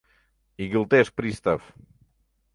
— игылтеш пристав.